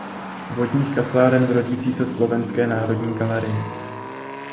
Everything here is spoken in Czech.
Vodních kasáren v rodící se Slovenské národní galerii.